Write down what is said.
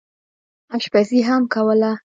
اشپزي هم کوله.